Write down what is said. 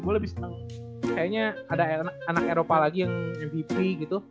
kayaknya ada anak eropa lagi yang mvp gitu